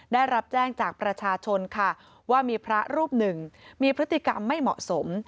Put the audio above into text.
ได้รับแจ้งจากประชาชนค่ะว่ามีพระรูปหนึ่งมีพฤติกรรมไม่เหมาะสม